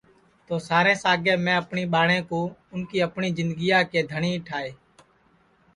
تو سارے سے آگے میں اپٹؔی ٻہاٹؔیں کُو اُن کی اپٹؔی جِندگیا کے ملک ٹھائے